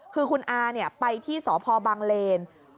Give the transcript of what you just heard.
คือคุณอาไปที่สพบังเลน